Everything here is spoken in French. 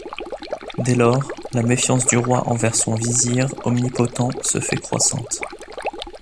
Dès lors la méfiance du roi envers son vizir omnipotent se fait croissante.